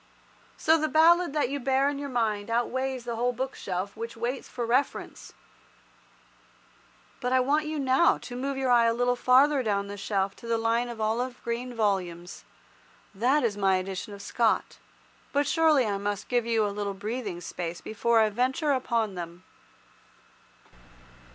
So the ballad that you bear in your mind outweighs the whole bookshelf which waits for reference. But I want you now to move your eye a little farther down the shelf to the line of olive green volumes. That is my edition of Scott. But surely I must give you a little breathing space before I venture upon them.